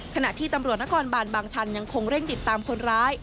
ขณะที่ตำรวจนครบานบางชันยังคงเร่งติดตามคนร้าย